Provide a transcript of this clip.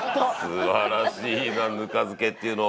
素晴らしいなぬか漬けっていうの。